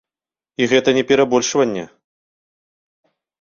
І гэта не перабольшванне.